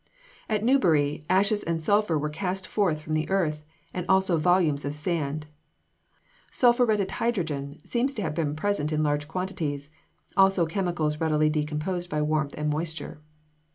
At Newbury, ashes and sulphur were cast forth from the earth, and also volumes of sand. Sulphuretted hydrogen seems to have been present in large quantities: also chemicals readily decomposed by warmth and moisture.